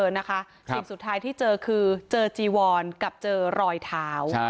สิ่งสุดท้ายที่เจอคือเจอจีวอนกับเจอรอยเท้า